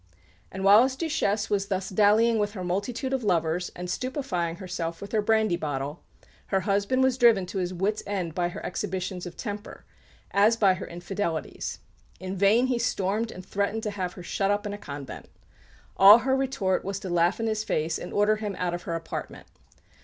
And while his Duchesse was thus dallying with her multitude of lovers and stupefying herself with her brandy bottle, her husband was driven to his wits' end by her exhibitions of temper, as by her infidelities. In vain he stormed and threatened to have her shut up in a convent. All her retort was to laugh in his face and order him out of her apartment.